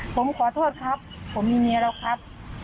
ผมขอโทษครับผมมีเมียแล้วครับ